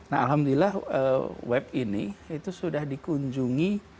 alhamdulillah web ini sudah dikunjungi